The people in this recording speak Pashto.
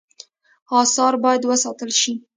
آثار باید وساتل شي